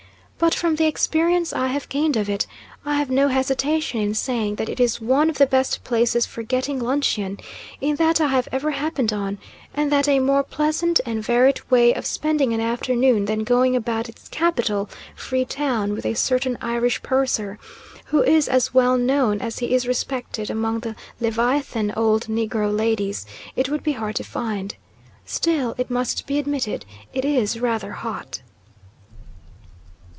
But, from the experience I have gained of it, I have no hesitation in saying that it is one of the best places for getting luncheon in that I have ever happened on, and that a more pleasant and varied way of spending an afternoon than going about its capital, Free Town, with a certain Irish purser, who is as well known as he is respected among the leviathan old negro ladies, it would be hard to find. Still it must be admitted it IS rather hot.